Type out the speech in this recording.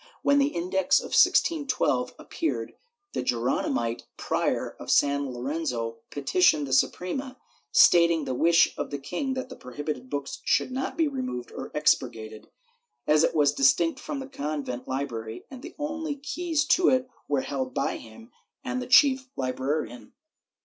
When the Index of 1612 appeared, the Geroni mite Prior of San Lorenzo petitioned the Suprema, stating the wish of the king that the prohibited books should not be removed or expurgated, as it was distinct from the convent library, and the only keys to it were held by him and the chief librarian.